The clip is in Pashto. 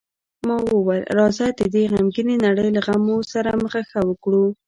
ما وویل: راځه، د دې غمګینې نړۍ له غمو سره مخه ښه وکړو.